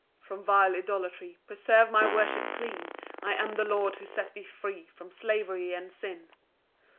2 "From vile idolatry "Preserve my worship clean; "I am the Lord who set thee free "From slavery and sin.